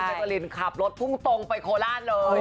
ไม้ตัวลินขับรถพุ่งตรงไปโคลาทเลย